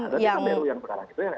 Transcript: ya ya itu kan ruu yang sekarang